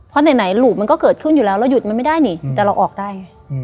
เพราะไหนหลูบมันก็เกิดขึ้นอยู่แล้วเราหยุดมันไม่ได้นี่แต่เราออกได้ไง